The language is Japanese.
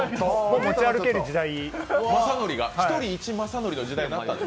もう、持ち歩ける時代。